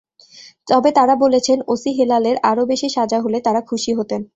তবে তাঁরা বলেছেন, ওসি হেলালের আরও বেশি সাজা হলে তাঁরা খুশি হতেন।